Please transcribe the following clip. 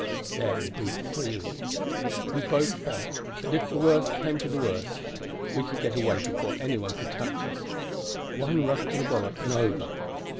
There we breathed freely. We both felt that should the worst come to the worst we could get away before any one could touch us. One rush to the bulwarks and over.